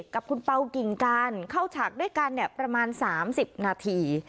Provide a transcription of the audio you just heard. กับคุณเปล่ากิ่งการเข้าฉากด้วยกันประมาณ๓๐นาที